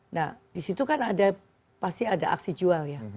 nah disitu kan ada pasti ada aksi jual ya